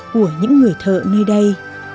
của những người thợ nơi đây